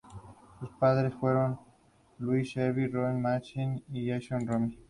Sus padres fueron Louis Earle Rowe y Margaret Talbot Jackson Rowe.